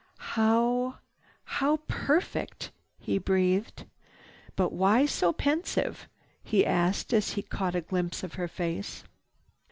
"How—how perfect!" he breathed. "But why so pensive?" he asked as he caught a glimpse of her face.